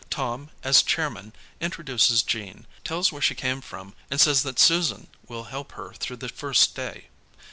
Tom. as chairman, intro duces Jean, tells where she came from, and says that Susan will help her through the first day.